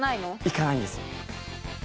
いかないんですよ。